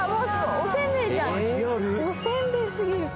おせんべいすぎる。